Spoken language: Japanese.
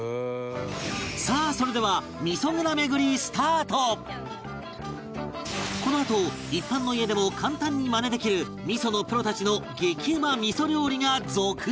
さあそれではこのあと一般の家でも簡単にマネできる味噌のプロたちの激うま味噌料理が続々！